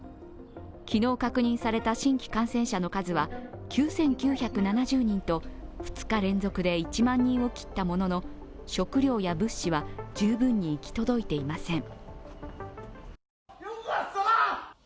昨日確認された新規感染者の数は９９７０人と２日連続で１万人を切ったものの食料や物資は、十分に行き届いていません。